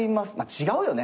違うよね